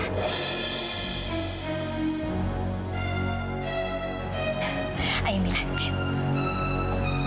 ya untuk menerima perjodohannya dengan andara